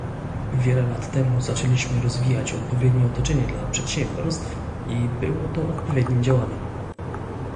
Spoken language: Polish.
Wiele lat temu zaczęliśmy rozwijać odpowiednie otoczenie dla przedsiębiorstw, i było to odpowiednim działaniem